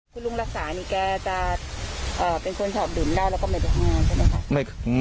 คุณลุงรักษานี่แกจะเป็นคนชอบดื่มได้แล้วก็หมดงานได้ไหม